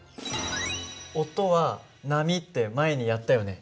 音は波って前にやったよね。